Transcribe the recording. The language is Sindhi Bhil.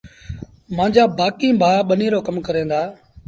مآݩجآ بآڪيٚݩ ڀآ ٻنيٚ رو ڪم ڪريݩ دآ۔